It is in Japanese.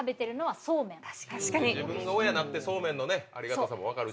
自分が親なってそうめんのありがたさも分かる。